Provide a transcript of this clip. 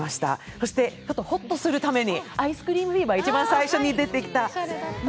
そしてホッとするためにアイスクリーム売り場、一番最初に出てきた。